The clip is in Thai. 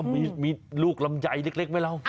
มีลูกลำไยเล็กไหมเรา